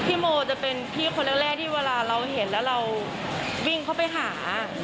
โมจะเป็นพี่คนแรกที่เวลาเราเห็นแล้วเราวิ่งเข้าไปหา